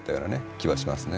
気はしますね。